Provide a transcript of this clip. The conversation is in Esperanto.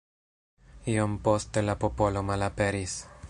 Iom poste la popolo malaperis.